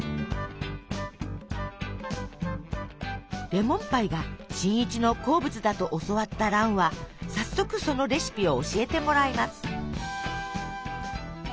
レモンパイが新一の好物だと教わった蘭は早速そのレシピを教えてもらいます。